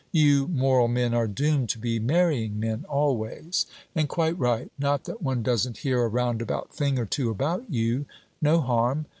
'You moral men are doomed to be marrying men, always; and quite right. Not that one doesn't hear a roundabout thing or two about you: no harm.